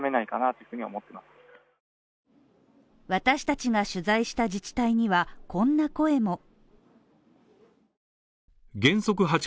私達が取材した自治体にはこんな声も。